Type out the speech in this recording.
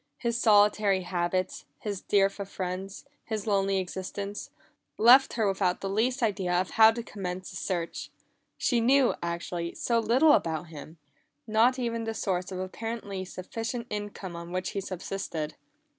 His solitary habits, his dearth of friends, his lonely existence, left her without the least idea of how to commence a search. She knew, actually, so little about him not even the source of the apparently sufficient income on which he subsisted.